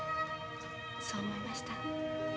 そう思いました。